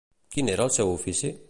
Quin era el seu ofici?